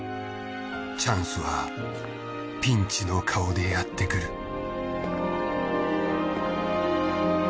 チャンスはピンチの顔でやってくる。